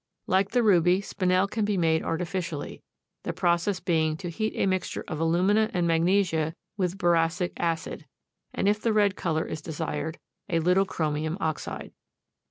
Like the ruby, Spinel can be made artificially, the process being to heat a mixture of alumina and magnesia with boracic acid, and if the red color is desired, a little chromium oxide.